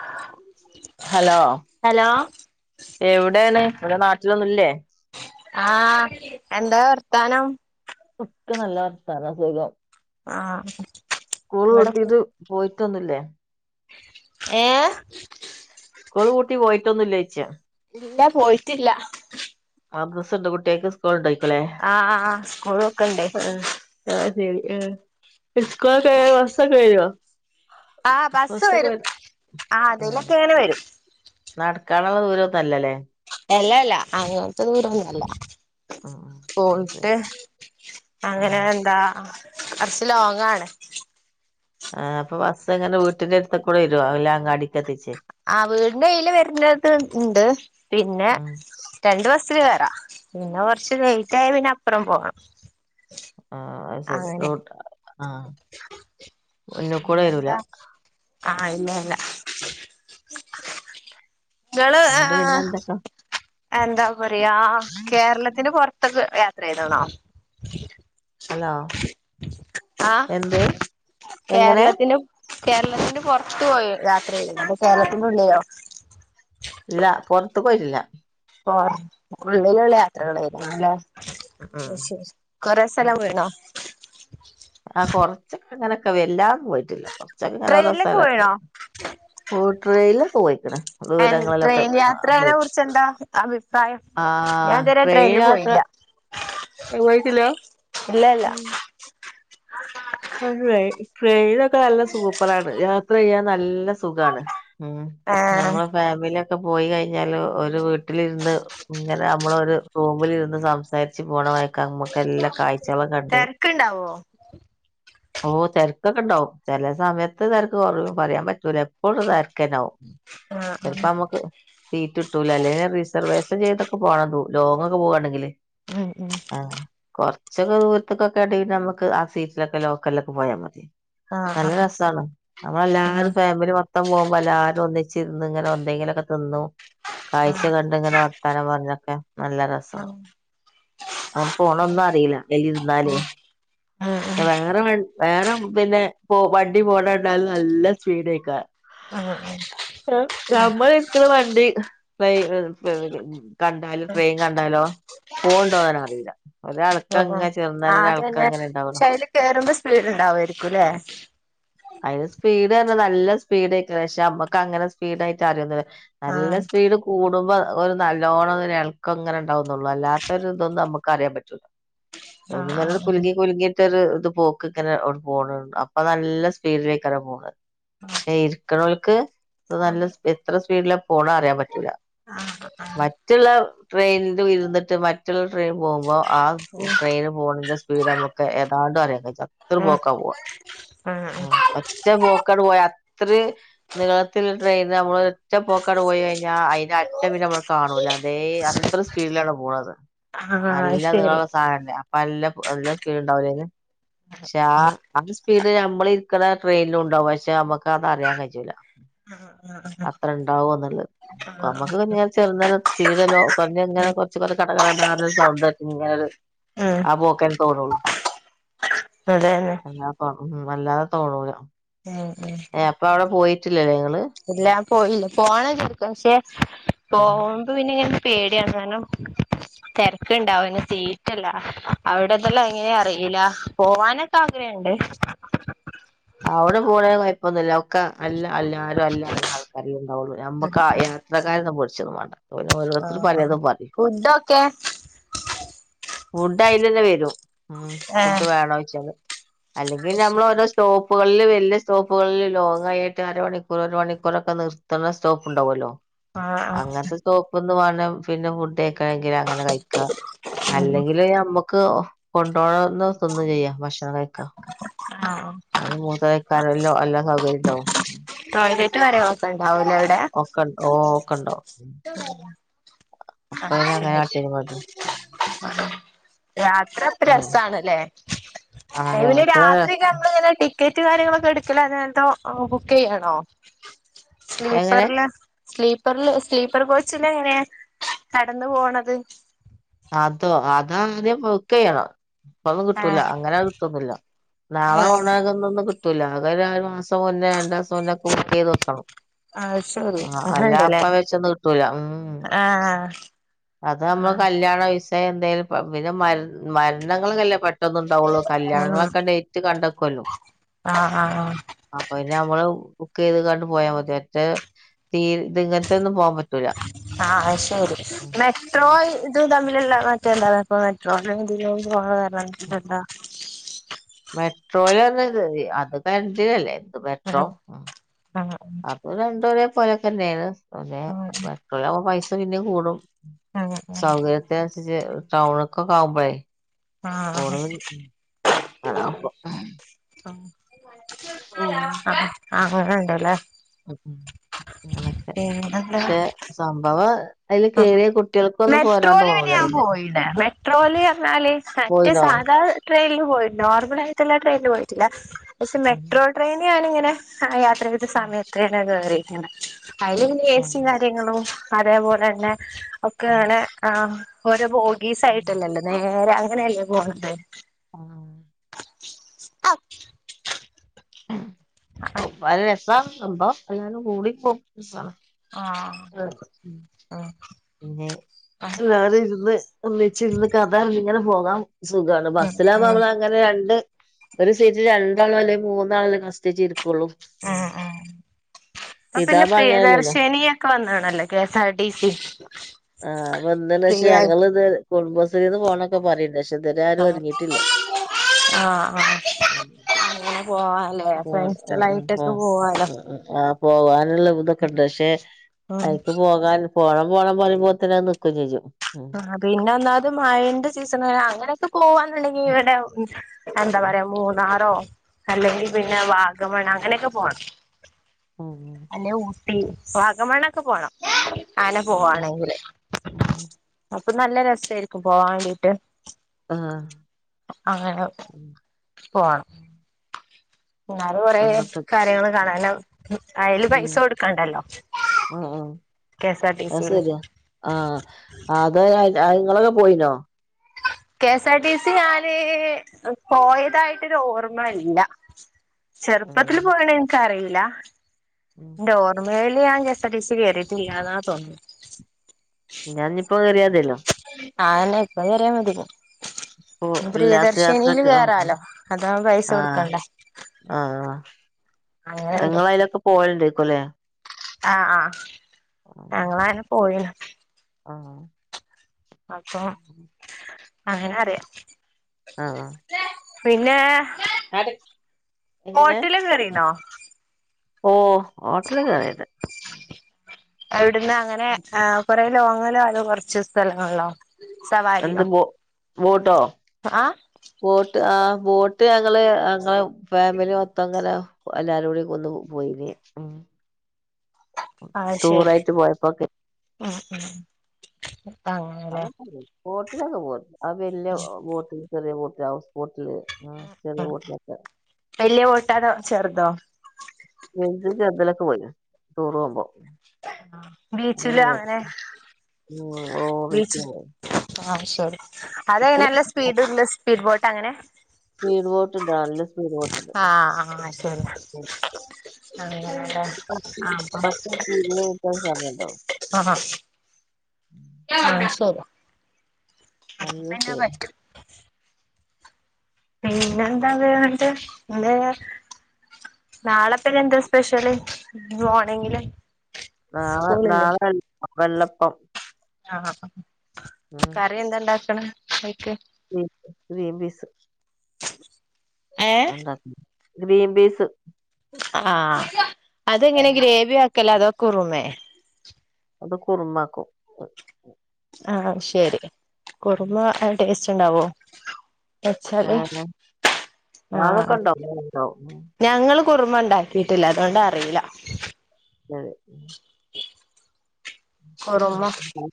ആഹ് hello എവിടെയാണ് ഇവിടെ നാട്ടിലൊന്നുല്ലേ ആഹ് എന്താ വർത്താനം ഒക്കെ നല്ല വർത്താന സുഖം ആഹ് സ്കൂൾ ഇവിടെ പൂട്ടീട്ട് പോയിട്ടൊന്നുല്ലേ ഏഹ് സ്കൂൾ ഊട്ടി പോയിട്ടൊന്നും ഇല്ലെഴ്ച ഇല്ല പോയിറ്റില്ല മദ്രസ്ണ്ട് കുട്ടിയക്ക് സ്കൂള്ണ്ടയ് ആഹ് ആഹ് ആഹ് സ്കൂളോക്കണ്ടെ ആശരി ഇസ്കൊള് കഴിഞ്ഞ മാസം കഴിഞ്ഞോ ആഹ് ബസ് വരും ആ അതെലൊക്കെ ങ്ങനെ വരും നടക്കാള്ള ദൂര ഒന്നല്ലല്ലേ എല്ലല്ല അങ്ങോത്തെ ദൂരന്നല്ല ഉം ഉം ശരി പോയിട്ട് അങ്ങനെ ആഹ് എന്താ കൊറച്ചി ലോങ്ങാണ് ആഹ് അപ്പൊ ബസ്സെങ്ങനെ വീട്ട്ന്റെ അടുത്ക്കുടെ വരോ അല്ല അങ്ങാടിക്കെത്തിച്ചെ ആ വീടിന്റെ അയ്ൽ വര്ണത് ണ്ട് പിന്നെ ഉം രണ്ട് ബസ്സില് കേറാ പിന്നെ കൊറച്ച് ലേറ്റ് ആയ പിന്നെ അപ്പുറം പോണം ആഹ് അത് ശരി അങ്ങനെ റോട്ട് ആഹ് മുന്നുകൂടെ വരൂല അതെന്താ ആഹ് ഇല്ല ഇല്ല ഇങ്ങള് എന്നിട്ട് ആഹ് പിന്നെ ആഹ് എന്തൊക്കാ എന്താ പറയാ കേരളത്തിന് പൊ റത്തൊക്ക യാത്ര ചെയ്താണോ ഹലോ ആഹ് എന്ത് എങ്ങനെ കേരളത്തിനും കേരളത്തിന്റെ പുറത്ത് പോയി യാത്ര ചെയ്യുന്നു ഇപ്പ കേരളത്തിന്റെ ഉള്ളിലോ ഇല്ല പൊറത്ക് പോയിറ്റില്ല പൊറ ഉള്ളിലുള്ള യാത്രകളായിരുന്നലേ അയ് ശരി കുറെേ സ്ഥലം പോയീണോ ആഹ് കൊറച്ചൊക്കെ ങ്ങനൊക്കെ വെല്ലാന്ന് പോയിട്ടില്ല കൊറച്ചൊക്കെ ഇങ്ങനെ ഓരോ ട്രെയിനിലൊക്കെ സ്ഥലൊക്കെ പോയിണോ ഓ ട്രയൽ പോയിക്കുന്നു ട്രെയിൻ യാത്രയനെ കുറച്ച് എന്താ അഭിപ്രായം ആ ഞാൻ ഇത് വരെ ട്രെയിൻ ട്രെയിനില് യാത്ര പോയില്ല പോയിട്ടില്ല ഇല്ല ഇല്ല ഉമ് ട്രെയിനൊക്കെ നല്ല സൂപ്പറാണ് യാത്ര ചെയ്യാൻ നല്ല സുഖാണ് ഉമ് ഏഹ് ഞമ്മള ഫാമിലിയൊക്കെ പോയി കഴിഞ്ഞാല് ഒരു വീട്ടിലിരുന്ന് ഇങ്ങനെ നമ്മളൊരു റൂമിലിരുന്ന് സംസാരിച്ച് പോണമായിക്ക നമ്മക്കെ ല്ല കാഴ്ചകളും കണ്ട് ക്ക് ണ്ടാവോ ഓഹ് തിരക്കൊക്കെണ്ടാവും ചെല സമയത്ത് തിരക്ക് കുറവ് പറയാൻ പറ്റൂല ഫുൾ തെരക്കന്നെ ആവും ആഹ് ചിലപ്പ ആഹ് നമുക്ക് സീറ്റ് ഇട്ടൂല അല്ലെങ്കി റിസർവേഷൻ ചെയ്തൊക്കെ പോകണം ലോങ് ഒക്കെ പോകവാണെങ്കില് ഉം ഉം ആഹ് കൊറച്ചൊക്കെ ദൂരത്തക്കൊക്കെ ഇട നമ്മുക്ക് ആ സീറ്റ് ലോക്കലൊക്കെ പോയാ മതി ആഹ് നല്ല ആഹ് രസാണ് നമ്മളെല്ലാരും ഫാമിലി മൊത്തം പോകുമ്പോ എല്ലാവരും ഒന്നിച്ചിരുന്ന് ഇങ്ങനെ എന്തെങ്കിലൊക്കെ തിന്നും കാഴ്ച കണ്ട പിന്നെങ്ങനെ വർത്താനം പറഞ്ഞൊക്കെ നല്ല രസ ഉം അങ്ങ പോണൊന്നും അറിയില്ല അതിലിരുന്നാലേ ഉം വേറെ വേറെ പിന്നെ പോ വണ്ടി പോണണ്ടാലും നല്ല സ്പീഡേക്കാരും [unintelligible] നമ്മൾ ഇരിക്കുന്ന വണ്ടി കണ്ടാലും ട്രെയിൻ കണ്ടാലോ പോണണ്ടോ നെന്നെ അറിയില്ല ആ ആ ഒരെൾക്കങ്ങനെ ആ ചെറുന്നനെ അത് ഒരെൾക്കം തന്നെ അങ്ങനെ പക്ഷെ ഉണ്ടാവണം അതില് കേറുമ്പോ സ്പീഡ് ഉണ്ടാവേരിക്കും ല്ലേ അതിന് സ്പീഡ് പറഞ്ഞ നല്ല സ്പീഡേക്കാരും പക്ഷെ നമ്മക്ക് അങ്ങനെ സ്പീഡായിട്ട് അറിയൊന്നു ആ നല്ല സ്പീഡ് കൂടുമ്പോ ഒരു നല്ലോണം ഇങ്ങനെ ഇളക്കം ഇങ്ങനെ ഉണ്ടാവുന്നുള്ളൂ അല്ലാത്ത ഇതൊന്ന് നമുക്ക് അറിയാൻ പറ്റു [unintelligible] അ ആ ഇങ്ങനെ ഒരു കുലുങ്ങി കുലുങ്ങിയിട്ടൊ ഒരു ഇത് പോക്ക് ഇങ്ങനെ പോണണ്ട് അപ്പൊ നല്ല സ് സ്പ്ഡിലേക്കാണ് പോണ് പക്ഷെ ഇരിക്കണോൽക്ക് നല്ല എത്ര സ്പീഡില പോണ അറിയാൻ പറ്റൂല ആ മറ്റുള്ള ട്രെയിനിൻ്റെ ഉള്ളിൽ ഇരുന്നിട്ട് മറ്റുള്ള ട്രെയിൻ പോകുമ്പോൾ ആ ട്രെയിന് പോണേന്റെ സ്പീഡ് ഒക്കെ ഏതാണ്ട് ഒരേ അത്ര ഉം പോക്കാ പോവാ ഉം ആഹ് ഒറ്റ പോക്കങ്ക്ട് പോയാ അത്ര നീളത്തിൽ ട്രെയിൻ നമ്മള് ഒറ്റ പോക്കങ്ങട് പോയി കഴിഞ്ഞാൽ അതിന് അറ്റ പിന്നെ നമ്മള് കാണൂല അതെ അ ത്രയും സ്പീഡിലാണ് പോണത് ആ അത് നല്ല ശരി നീളള്ള സാനല്ലേ നല്ല നല്ല സ്പീഡ് ഉണ്ടാവലേ അതിന് പക്ഷെ ആ ആ സ്പീഡ് നമ്മള് ഇരിക്കണ ട്രെയിനിലുണ്ടാവും പക്ഷെ നമ്മക്ക് അത് അറിയാൻ കയൂല്ല അത്ര ഇണ്ടാവോനിളളത് നമ്മക്ക് പിന്നെ ചെറുന്നനെ സ്പീഡല്ലോ പറഞ്ഞങ്ങനെ കുറച്ച് കട കട സൗണ്ട് ഇങ്ങനെ ഒരു അപ്പോക്കെന്നെ തോനൊള്ളൂ നല്ലതന്നെ അല്ലാ [inaudible] ഉം വല്ലാതെ തോന്നൂല ഉം ഉം ഏഹ് അപ്പൊ അവിടെ പോയിട്ടില്ലല്ലേ നിങ്ങള് ഇല്ലാ പോയില്ല പോണന്ന്ണ്ട് ഇക്ക് പക്ഷെ പോ ഇപ്പ പിന്നെങ്ങനെ പേടിയാണ് കാരണം തിരക്കുണ്ടാവുംന് സീറ്റല്ല അവിടെതെല്ലാം എങ്ങനെ അറിയില്ല പോവാനക്കെ ആഗ്രഹണ്ട് അവിടെ പോണേ കൊഴപ്പൊന്നുമില്ല ഒക്കെ അല്ല എല്ലാരും അല്ല ആൾക്ക കറി ഉണ്ടാവുള്ളൂ നമ്മക്ക് യാത്രക്കാരൊന്നും പൊടിച്ചൊന്നും വേണ്ട പിന്നെ ആ ഓരോരുത്തർ ആ പലതും പറയും [inaudible] ഫുഡ് അയ്ലന്നെ വരും ഏ അത് [unintelligible] ശരി സ്റ്റോപ്പുകളിൽ വലിയ സ്റ്റോപ്പുകളിൽ ലോങ്ങായിട്ട് അരമണിക്കൂർ ഒരു മണിക്കൂറൊക്കെ നിർത്തുന്ന സ്റ്റോപ്പ് ഉണ്ടാവല്ലോ ആ ആ അങ്ങനത്തെ സ്‌റ്റോപ്പൊന്ന് വേണം പിന്നെ ഫുഡ് കഴിക്കണമെങ്കിൽ അങ്ങനെ കഴിക്ക ഉം അല്ലെങ്കില് നമ്മക്ക് കൊണ്ടുപോകുന്ന ഒന്നും തിന്നും ചെയ്യാം പക്ഷെ കക്ക ആ ആ അ മൂത്ത കക്കാാനല്ല എല്ലാ സൗകര്യം ഉണ്ടാവും ടോയ്ലറ്റ് വരെ അകത്ത് ഉണ്ടാവൂലെ എവിടെ ഒക്കണ്ടാ ഒ ക്കണ്ടോ അപ്പൊ അങ്ങനെ ആട്ടി മതി അ [inaudible] യാത്ര പ്പെ രസാണ്ല്ലേ അ ആഹ് പിന്നെ യാത്ര രാത്രിക്കെ നമ്മളിങ്ങനെ ടിക്ക് ക്കറ്റ് കാര്യങ്ങളൊക്കെ എടുക്കലതന്തോ ബുക്ക് ചെയ്യാണോ എങ്ങനെ സ്ലീപ്പറില് സ്ലീപ്പറൽ സ്ലീപ്പർ കോച്ചിലെങ്ങനെയാ കടന്നു പോണത് അതോ അതാദ്യം ബുക്കെയ്യണം ഇപ്പൊന്നും കിട്ടൂല്ല ആഹ് അങ്ങനെ കിട്ടൊന്നില്ല നാളെ ആഹ് പോണേക്ക് ന്ന് ട്ടൂലാ ഒരു മാസം മുന്നേ രണ്ടാസം മുന്നേ ഒക്കെ ബാക്കെയ്ത് വെക്കണം അത് ശരി ആഹ് അങ്ങനെണ്ടല്ലേ അല്ലപ്പം വെച്ചൊന്നും കിട്ടൂല ഉം ആഹ് അത് നമ്മള് ആഹ് കല്ല്യാണോ വിസയെന്തേലും പിന്നെ മ മർണങ്ങൾക്കല്ലെ പെട്ടെ ളെന്നെ ഇണ്ടാവുള്ളൂ ഉം കല്യാണങ്ങളൊക്കെ ഡേറ്റ് കണ്ടക്കല്ലോ ആഹ് ആഹ് അപ്പൊ പിന്നെ നമ്മള് ബുക്ക് ചെയ്ത് കാണ്ട് പോയാ മതി. മറ്റേ ദിങ്ങൻത്തെന്നും പോകാൻ പറ്റ റ്റൂല ആഹ് ശരി മെട്രോ ഇതും തമ്മിലുള്ള മറ്റെന്താണ് ഇപ്പ മെട്രോ ഇതിലും പോണതാ - [inaudible] മെട്രോലർഞ്ഞ അത് കർണ്ടിനല്ലേ മെട്രോ ആഹ് ആഹ് രണ്ടു ഒരേ പോലെക്കേന്നെണ് പിന്ന ഉം മെട്രോലാവുമ്പോ പൈസ പിന്നിം കൂടും ഉം സൗകര്യത്തിനൻസരിച്ച് ടൗണൊക്കക്കാവുമ്പോള് ആഹ് അപ്പം ആഹ് അങ്ങനെണ്ട് ലേ ഉം അങ്ങനൊക്കെ പക്ഷെ സംഭവ മെട്രോലേന് ഞാൻ പിന്നെ പോയിനേ. മെട്രോലർഞ്ഞാല് മറ്റ് പോയിനോ സാധാ ട്രെയിൻൽ പോയിണ്ട്. നോർമൽ ആയിട്ട്ള്ള ട്രയിൻൽ പോയിട്ടില്ല പക്ഷേ മെട്രോൽ ട്രെയിൻ ഞാനിങ്ങനെ യാത്രെയ്ത സമയത്തന്നെ കേറിക്ക്ണ്. അയിൽ ഏസിം കാര്യങ്ങളും അതേപോലെന്നെ ഒക്കെങ്ങനെ ആഹ് ഓരോ ബോഗീസ് ആയിട്ടല്ലല്ലോ നേരെ അങ്ങനെയല്ലേ പോണത് ആഹ് ആഹ് ഒപ്പായ രസാ സംഭവം എല്ലാരും കൂടി പോവുമ്പോ രസാണ് ആഹ് ആ ഉം പിന്നെ എല്ലരുംർന്ന് ഒന്നിച്ചിർന്ന് കഥർഞ്ഞിങ്ങനെ പോകാൻ സുഖാണ് ഉം ഉം ബസ്സിലാവുമ്പോളാ ഇങ്ങനെ രണ്ട് ഒരു സീറ്റ് രണ്ടാളോ അല്ലെ മൂന്നാളല്ലേ കസ്റ്റിച്ചിരിക്കുള്ളൂ ഉം ഉം ഇപ്പ പിന്നെ ഇതാവുമ്പോ അങ്ങനെയല്ലല്ലോ പ്രിയദർശിനിയൊക്കെ വന്ന്‌ക്കണല്ലോ K S R T C ഫ്രിയായിട്ട് കുടുംബസ്രീന്ന് പോണന്നൊക്കെ പറിണ്ട് പക്ഷെ ഇതരെ ആരും ആഹ് ഒരുങ്ങിട്ടില്ല ആഹ് ആഹ് അങ്ങനെ പോവാലേ പോ ആ ഫ്രണ്ട്സ ളായിട്ടൊക്കെ പോവാലോ പോവാനുള്ള ഇതൊക്കെണ്ട് പക്ഷെ ഉം അയ്ക്ക്പോ പോകാൻ പോണം പോണം പറിമ്പോത്തനി അത് നിക്കും ചെയ്യും ഉം ആഹ് പിന്നെ ഒന്നാമത് മഴന്റെ സീസൺ അങ്ങനെ പോവാന്നുണ്ടെങ്കിൽ ഇവിടെ എന്താ ഉം പറയാ മൂന്നാറോ അല്ലെങ്കി പിന്നെ വാഗമണ് അങ്ങനൊക്കെ പോണം ഉം അല്ലെ ഊട്ടി വാഗമണ്ണൊക്കെ പോണം അനെ ഉം പോവാണെങ്കില് ഉം അപ്പൊ നല്ല രസേർക്കും പോവാൻ വേണ്ടീട്ട് ആ അങ്ങനെ ഉം പോണം എന്നാല് കൊറെ അങ്ങട്ട് കാര്യങ്ങള് കാണാനും അയ്ല് പൈസ കൊടുക്കണ്ടല്ലോ ഉം ഉം കെ എസ് ആർ ടി അത് സിയില് സരിയാ ആഹ് അത് ഇങ്ങളൊക്കെ പോയിനോ K S R T C ഞാന് പോയതായിട്ടൊരു ഓർമ്മ ഇല്ല ഉം ചെറുപ്പത്തിൽ പോയോന്ന് എനിക്ക് അറിയില്ല ഉം എന്റെ ഓർമ്മയില് ഞാൻ K S R T C കയറിയിട്ടില്ലാന്നാ തോന്നുന്നെ ഞാനിപ്പൊ കേറിയാമതിയല്ലോ ആന്നെ ഇപ്പൊ കേറിയ മതില്ലോ ഇപ്പൊ ഇനി ഉല്ലാസ പ്രിയദർശിനിയില് യാത്രക്ക് ആ കേറാലോ അതാവുമ്പം പൈസ ആ കൊടുക്കണ്ട ആ അങ്ങനുണ്ടോ പോവല് ണ്ടെകുലെ ആ ആ ഞങ്ങളാരും പോയി ആ അപ്പം അങ്ങനെ അറിയാം ആ പിന്നേ എങ്ങനേ കേറീണോ ഓ ഹോട്ടലികേറിയിട്ട് അവിടുന്ന് അങ്ങനെ ആ കുറേ ലോങ്ഗിലോ അതോ കുറച്ച് സ്ഥലങ്ങളേയുള്ളോ എന്ത് ബോ ബോട്ടോ ആഹ് ബോട്ട് ആ ബോട്ട് ഞങ്ങള് ഞങ്ങടെ ഫാമിലി മൊത്തം അങ്ങനെ എല്ലാരും കൂടെ ഒന്ന് പോകും പോയത് ഉം ആ ശരി ടൂറായിട്ട് പോയപ്പോക്കെ ഉം ഉം അങ്ങനെല്ലേ അതൊക്കെ പോകും ബോട്ടിലൊക്കെ പോകും ആ വലിയ ബോട്ടിൽ ചെറിയ ബോട്ടിൽ ഹൗസ് ബോട്ടില് ഉം ചെറിയ ഉം ബോട്ടിലൊക്കെ വലിയ ബോട്ടാണോ ചെറുതോ വലുതിലും ചെറുതിലൊക്കെ പോയിന് ടൂറ് പോവുമ്പോ ബീച്ചില് അങ്ങനെ [unintelligible] [unintelligible] ആ ശരി. അതെങ്ങനെ നല്ല സ്പീഡ് ഉണ്ടോ സ്പീഡ് ബോട്ട് അങ്ങനെ സ്പീഡ് ബോട്ട് ഉണ്ട്. നല്ല സ്പീഡ് ബോട്ട് ആ ആഹ ശരി. അങ്ങനെയാണല്ലേ പത്ത് ആ പത്ത് ഇരുപത് മിനിറ്റ് സമയണ്ടാവും ആ. അഹ [unintelligible] നല്ല സുഖം. പിന്നെ എന്താവേണ്ടേ എന്തെ നാളെത്തെ എന്താ സ്പെഷ്യല് മോർണിങ്ങില് നാളെ സ്കൂളില്ലേ നാളെ വെള്ളപ്പം. ആണോ കറി എന്താ ഉണ്ടാക്കണെ അയിക്ക് ഗ്രീ ഗ്രീൻപീസ്. ഏ [unintelligible] ഉണ്ടാക്കും ഗ്രീൻപീസ്. ആ ഹ അതെങ്ങനെ ഗ്രേവി ആക്കൽ അതോ കുറുമെ അത് കുറുമക്കും. ആ ശരി. കുറുമ നല്ല ടേസ്റ്റ് ഉണ്ടാവോ വെച്ചാല് ഏഹ് ആ അതൊക്കെ അ ഉണ്ടാവും ഉണ്ടാവും ഉം. ഞങ്ങൾ കുറുമ ഉണ്ടാക്കിയിട്ടില്ല അതൊണ്ട് അറില. [unintelligible] ആ കുറുമ ഉ [unintelligible]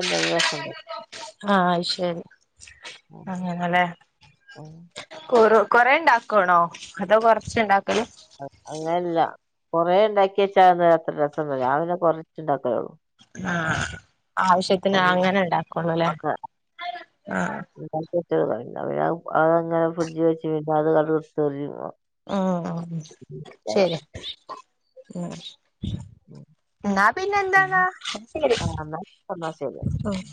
ഇണ്ടാവ ആ അഹ് ശരി അങ്ങനല്ലേ. കുറു കൊറേ ഉണ്ടാക്കണോ അതോ കൊറച്ചേയുണ്ടാക്കല് അ അങ്ങന്ല്ല. കൊറേ ഉണ്ടാക്കിച്ചാ അ നേരത്ത് രസംണ്ട. ഞാൻ പിന്നെ കൊർച്ച് ഉണ്ടാകാലോള്ളൂ. ആ ആവശ്യത്തിന് പിന്നെ അങ്ങനെ ഉണ്ടാക്കുവോളല്ലേ അത് ആ [unintelligible] അതങ്ങനെ ഫ്രിഡ്ജി വെച്ച് വെച്ച് അത് കടു വറുത്തു കഴിയുമ്പോ ഉം ശെരി ഉം. ഇന്നാ പിന്നെ എൻന്ത്ന്നാ [unintelligible] എന്നാ എന്നാ ഉം. ശരി